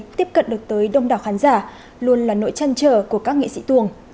các nghệ thuật tuồng đã được tiếp cận được tới đông đảo khán giả luôn là nỗi chăn trở của các nghệ sĩ tuồng